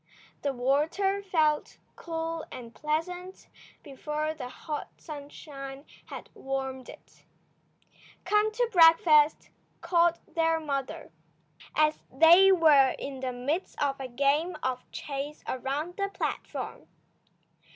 The water felt cool and pleasant before the hot sunshine had warmed it. "Come to breakfast," called their mother, as they were in the midst of a game of chase around the platform.